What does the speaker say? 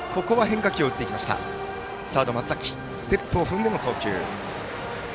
サード、松崎ステップを踏んでの送球。